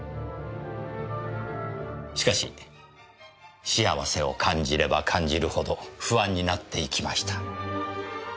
しかし幸せを感じれば感じるほど不安になっていきました。